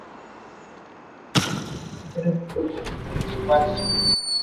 El siguiente cuadro muestra el alfabeto tongano.